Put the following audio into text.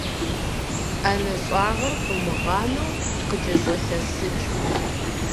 Ӏэнэ щӏагъыр къумыгъанэу къыкӏэщӏэлъэсыкӏ.